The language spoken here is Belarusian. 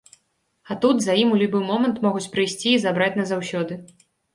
А тут, за ім у любы момант могуць прыйсці і забраць назаўсёды.